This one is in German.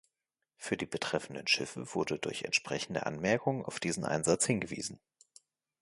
Für die betreffenden Schiffe wurde durch entsprechende Anmerkungen auf diesen Einsatz hingewiesen.